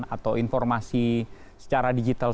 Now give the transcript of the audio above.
atau informasi secara digital